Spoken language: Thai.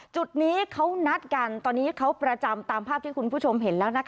จุดนี้เขานัดกันตอนนี้เขาประจำตามภาพที่คุณผู้ชมเห็นแล้วนะคะ